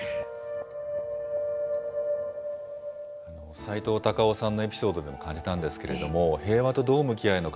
さいとう・たかをさんのエピソードでも感じたんですけれども、平和とどう向き合うのか。